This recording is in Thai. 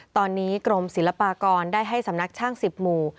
ตอนนี้กรมศิลปากรได้ให้สำนักช่าง๑๐หมู่